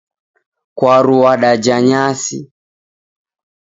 Kwaru w'adaja nyasi.